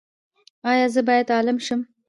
ایا زه باید عالم شم؟